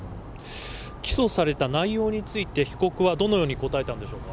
起訴された内容について被告はどのように答えたのでしょうか。